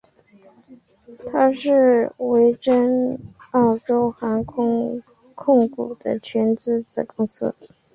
它是维珍澳洲航空控股的全资子公司。